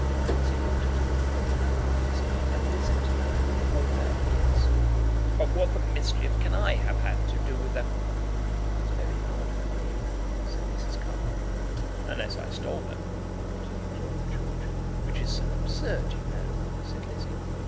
Lizzie looked at him with all her eyes and listened to him with all her ears. "But what the mischief can I have had to do with them?" "It's very hard upon you," said Mrs. Carbuncle. "Unless I stole them," continued Lord George. "Which is so absurd, you know," said Lizzie.